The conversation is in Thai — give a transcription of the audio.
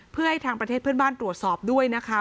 เพื่อให้ทางประเทศเพื่อนบ้านตรวจสอบด้วยนะคะ